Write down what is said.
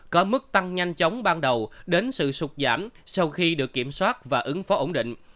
có mức tăng nhanh chóng ban đầu đến sự sụt giảm sau khi được kiểm soát và ứng phó ổn định